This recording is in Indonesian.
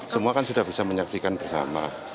semua kan sudah bisa menyaksikan bersama